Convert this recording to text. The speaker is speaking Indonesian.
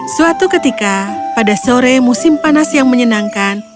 suatu ketika pada sore musim panas yang menyenangkan